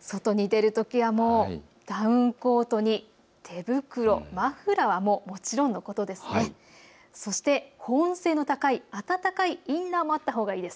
外に出るときはダウンコートに手袋、マフラーはもちろんのこと、そして保温性の高い暖かいインナーもあったほうがいいです。